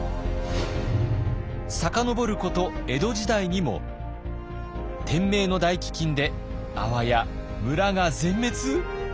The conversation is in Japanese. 遡ること江戸時代にも天明の大飢饉であわや村が全滅？